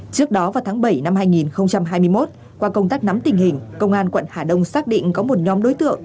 trước đó vào tháng bảy năm hai nghìn hai mươi một qua công tác nắm tình hình công an quận hà đông xác định có một nhóm đối tượng